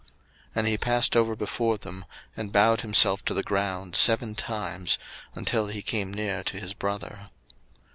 01:033:003 And he passed over before them, and bowed himself to the ground seven times, until he came near to his brother.